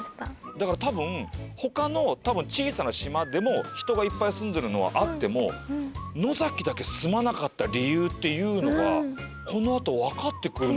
だから他の多分小さな島でも人がいっぱい住んでるのはあっても野崎だけ住まなかった理由っていうのがこのあと分かってくるのかな。